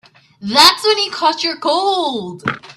That's when he caught your cold.